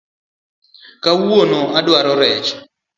Kawuono adwaro rech